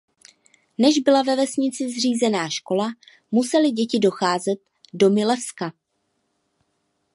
Než byla ve vesnici zřízená škola musely děti docházet do Milevska.